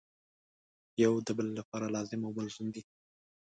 یو د بل لپاره لازم او ملزوم دي.